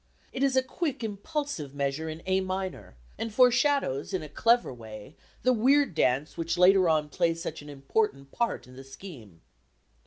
It is a quick impulsive measure in A minor, and foreshadows in a clever way the weird dance which later on plays such an important part in the scheme.